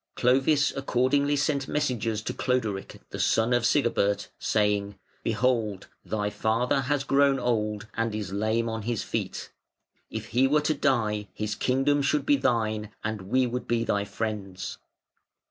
Clovis accordingly sent messengers to Cloderic, the son of Sigebert, saying: "Behold thy father has grown old and is lame on his feet. If he were to die, his kingdom should be thine and we would be thy friends".